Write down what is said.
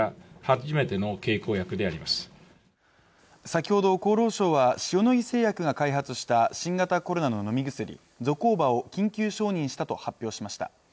先ほど厚労省は塩野義製薬が開発した新型コロナののみ薬ゾコーバを緊急承認したと発表しました